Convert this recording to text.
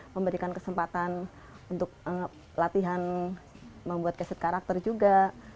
memberikan kesempatan untuk latihan membuat caset karakter juga